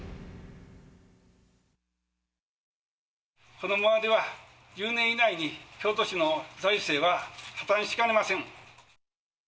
このままでは、１０年以内に京都市の財政は破綻しかねません。